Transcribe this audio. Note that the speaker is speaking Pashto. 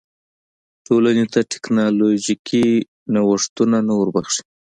ټولنې ته ټکنالوژیکي نوښتونه نه وربښي.